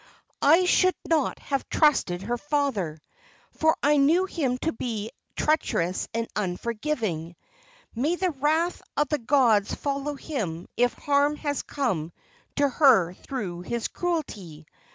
"I should not have trusted her father, for I knew him to be treacherous and unforgiving. May the wrath of the gods follow him if harm has come to her through his cruelty!